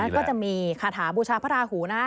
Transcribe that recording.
ก็จะมีคาถาบูชาพระราหูนะ